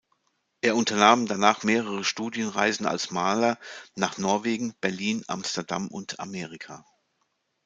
Er unternahm danach mehrere Studienreisen als Maler nach Norwegen, Berlin, Amsterdam und Amerika.